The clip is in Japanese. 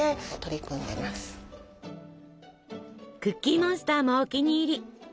クッキーモンスターもお気に入り！